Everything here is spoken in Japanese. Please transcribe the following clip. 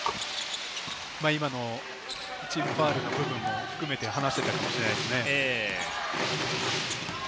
今のチームファウルの部分も含めて話してたのかもしれないですね。